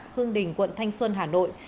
khương đình quận thanh xuân hà nội